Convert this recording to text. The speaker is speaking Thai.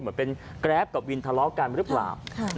ผู้หญิงพูดเหมือนเป็นกราฟกับวินทะเลาะกันหรือเปล่า